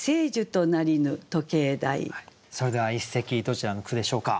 それでは一席どちらの句でしょうか？